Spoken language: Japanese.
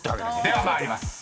［では参ります。